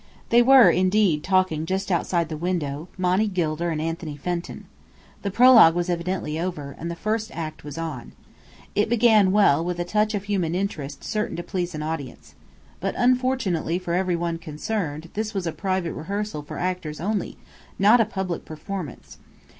They were indeed talking just outside the window, Monny Gilder and Anthony Fenton. The prologue was evidently over, and the first act was on. It began well, with a touch of human interest certain to please an audience. But unfortunately for every one concerned, this was a private rehearsal for actors only, not a public performance.